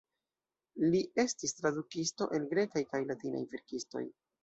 Li estis tradukisto el grekaj kaj latinaj verkistoj.